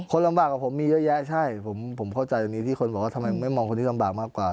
ลำบากกว่าผมมีเยอะแยะใช่ผมเข้าใจตรงนี้ที่คนบอกว่าทำไมไม่มองคนนี้ลำบากมากกว่า